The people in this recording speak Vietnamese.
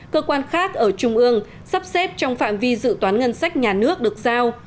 cơ quan khác ở trung ương sắp xếp trong phạm vi dự toán ngân sách nhà nước được giao